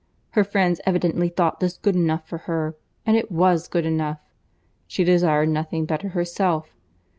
Her friends evidently thought this good enough for her; and it was good enough. She desired nothing better herself.